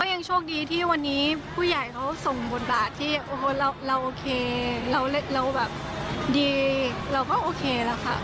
ยังโชคดีที่วันนี้ผู้ใหญ่เขาส่งบทบาทที่เราโอเคเราแบบดีเราก็โอเคแล้วค่ะ